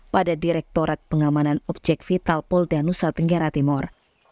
pada direktorat pengamanan objek vital polda nusa tenggara timur